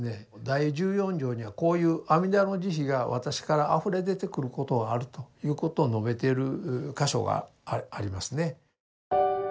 第十四条にはこういう阿弥陀の慈悲が私からあふれ出てくることがあるということを述べている箇所がありますね。